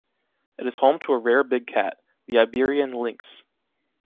It is home to a rare big cat, the Iberian lynx.